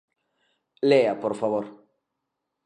Lea, por favor.